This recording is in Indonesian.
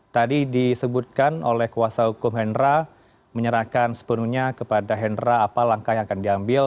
tadi disebutkan oleh kuasa hukum hendra menyerahkan sepenuhnya kepada hendra apa langkah yang akan diambil